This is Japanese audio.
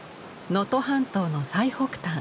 能登半島の最北端。